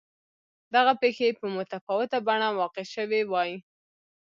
دغه پېښې په متفاوته بڼه واقع شوې وای.